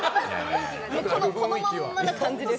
このまんまな感じです。